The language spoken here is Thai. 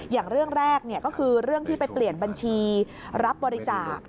อย่างเรื่องแรกก็คือเรื่องที่ไปเปลี่ยนบัญชีรับบริจาค